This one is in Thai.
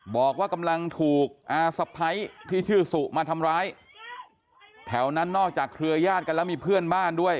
บอกว่ากำลังถูกอาสะพ้ายที่ชื่อสุมาทำร้ายแถวนั้นนอกจากเครือญาติกันแล้วมีเพื่อนบ้านด้วย